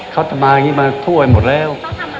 เขาจะมาอย่างนี้มาทั่วไปหมดแล้ว